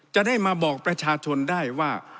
จะได้มาบอกประชาชนได้ว่า